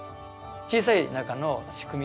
小さい中の仕組み